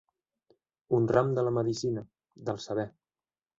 Un ram de la medicina, del saber.